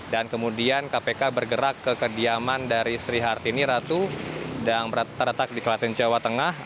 dan kemudian kpk bergerak ke kediaman dari sri hartini ratu yang terletak di kelaten jawa tengah